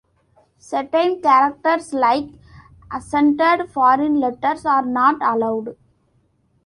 Certain characters, like accented foreign letters, are not allowed.